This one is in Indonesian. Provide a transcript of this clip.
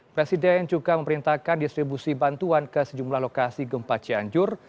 presiden juga memerintahkan distribusi bantuan ke sejumlah lokasi gempa cianjur